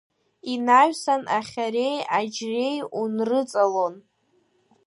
Инаҩсан ахьареи аџьреи унрыҵалон.